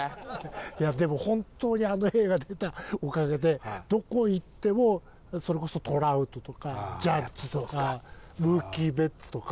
いやでも本当にあの映画出たおかげでどこ行ってもそれこそトラウトとかジャッジとかムーキー・ベッツとか。